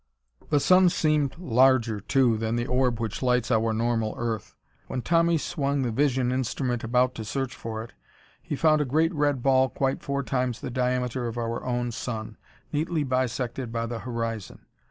The sun seemed larger, too, than the orb which lights our normal earth. When Tommy swung the vision instrument about to search for it, he found a great red ball quite four times the diameter of our own sun, neatly bisected by the horizon.